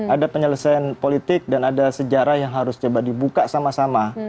ada penyelesaian politik dan ada sejarah yang harus coba dibuka sama sama